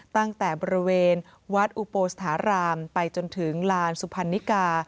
ตั้งแต่บริเวณวัดอุโปสถารามไปจนถึงลานสุพรรณิกา